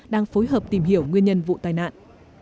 đang phối hợp tìm hiểu nguyên nhân vụ tai nạn